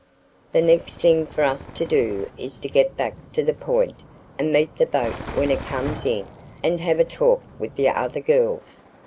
The next thing for us to do is to get back to the Point and meet the boat when it comes in and have a talk with the other girls.